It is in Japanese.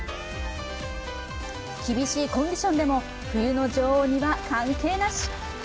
厳しいコンディションでも冬の女王には関係なし。